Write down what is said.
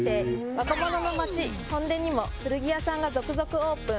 若者の街弘大にも古着屋さんが続々オープン。